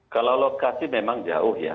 kalau lokasi memang jauh ya